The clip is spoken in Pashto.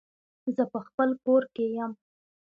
زه په خپل کور کې يم